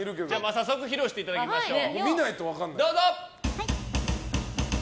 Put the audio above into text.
早速披露していただきましょう。